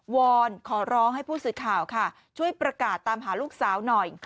อนขอร้องให้ผู้สื่อข่าวค่ะช่วยประกาศตามหาลูกสาวหน่อย